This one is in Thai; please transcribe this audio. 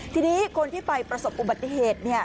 ทีนี้คนที่ไปประสบอุบัติเหตุเนี่ย